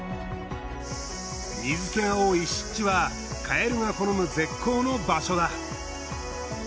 水気が多い湿地はカエルが好む絶好の場所だ。